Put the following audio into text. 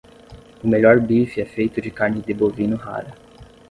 O melhor bife é feito de carne de bovino rara.